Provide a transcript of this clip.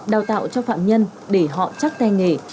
đào tạo cho phạm nhân để họ chắc tay nghề